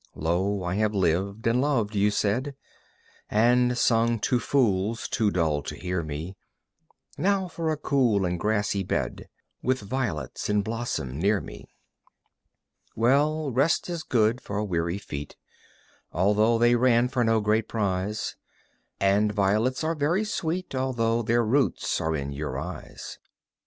"Lo, I have lived and loved," you said, "And sung to fools too dull to hear me. Now for a cool and grassy bed With violets in blossom near me." Well, rest is good for weary feet, Although they ran for no great prize; And violets are very sweet, Although their roots are in your eyes.